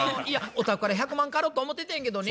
お宅から１００万借ろと思っててんけどね。